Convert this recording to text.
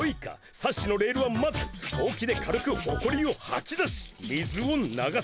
サッシのレールはまずほうきで軽くほこりをはきだし水を流す。